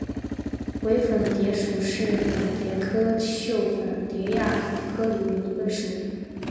伪粉蝶属是粉蝶科袖粉蝶亚科里的一个属。